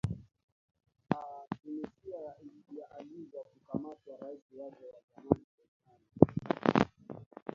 a tunisia ya agizwa kukamatwa rais wake wa zamani ben ali